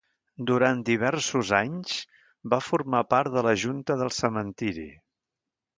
Durant diversos anys, va formar part de la junta del cementiri.